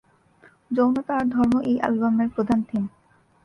যৌনতা আর ধর্ম এই অ্যালবামের প্রধান থিম।